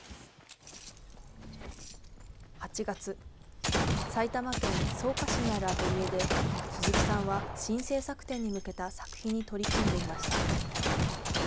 ８月、埼玉県草加市にあるアトリエで、鈴木さんは新制作展に向けた作品に取り組んでいました。